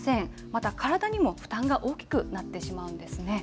また、体にも負担が大きくなってしまうんですね。